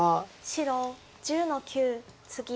白１０の九ツギ。